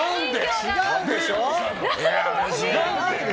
違うでしょ！